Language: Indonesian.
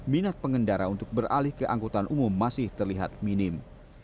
minat pengendara untuk beralih ke angkutan umum masih terlihat minim